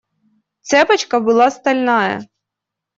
Цепочка была стальная.